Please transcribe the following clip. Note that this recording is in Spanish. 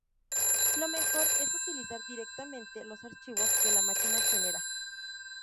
Lo mejor es utilizar directamente los archivos que la máquina genera.